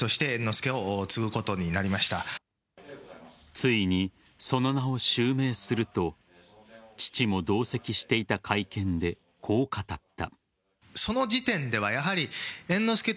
ついに、その名を襲名すると父も同席していた会見でこう語った。